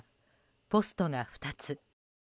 ポストが２つ。